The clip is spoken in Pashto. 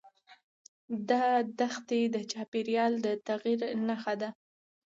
دا دښتې د چاپېریال د تغیر نښه ده.